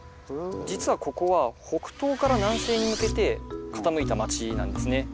実はここは北東から南西に向けて傾いた町なんですね。